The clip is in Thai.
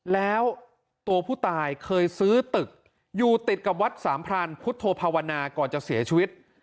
แล้วตัวผู้ตายเคยซื้อตึกอยู่ติดกับวัดสามพรานพุทธภาวนาก่อนจะเสียชีวิต